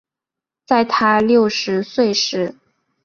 在她六十岁时